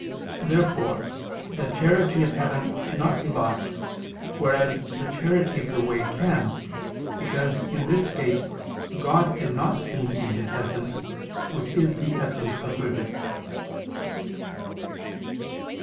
Therefore the charity of heaven cannot be lost, whereas the charity of the way can, because in this state God is not seen in His Essence, which is the essence of goodness.